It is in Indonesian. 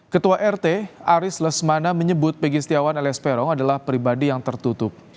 ketua rt aris lesmana menyebut pegi setiawan alias peron adalah pribadi yang tertutup